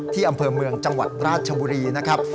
อำเภอเมืองจังหวัดราชบุรีนะครับ